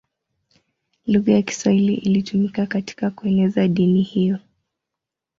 Lugha ya Kiswahili ilitumika katika kueneza dini hiyo.